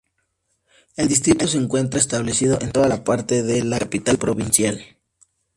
El Distrito se encuentra establecido en toda la parte norte de la capital provincial.